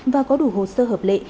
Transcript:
và có đủ hồ sơ hợp lệ